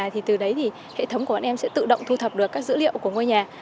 từ đấy hệ thống của bọn em sẽ tự động thu thập được các dữ liệu của ngôi nhà